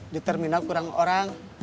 di terminal kurang orang